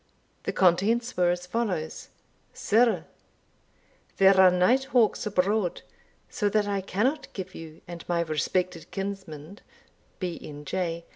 The contents were as follows: "Sir, "There are night hawks abroad, so that I cannot give you and my respected kinsman, B. N. J.